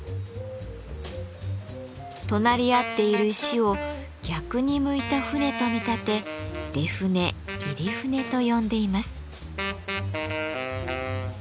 隣り合っている石を逆に向いた船と見立て「出船入船」と呼んでいます。